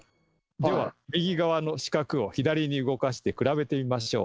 では右側の四角を左に動かして比べてみましょう。